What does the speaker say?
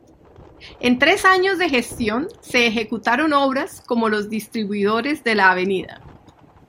En tres años de gestión se ejecutaron obras como los distribuidores de la Av.